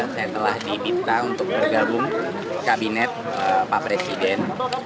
saya telah dibinta untuk bergabung kabinet pak presiden